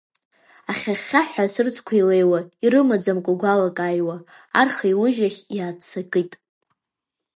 Ахьхьа-хьхьаҳәа асырӡқәа илеиуа, ирымаӡамкәа гәалак аиуа, арха еиужь ахь иааццакит.